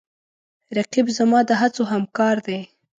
رقیب زما د هڅو همکار دی